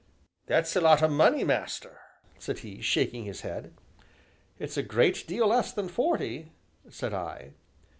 "That's a lot o' money, master," said he, shaking his head. "It's a great deal less than forty," said I.